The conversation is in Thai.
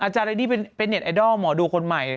อาจารย์เรนนี่เป็นเน็ตไอดอลเหรอดูคนใหม่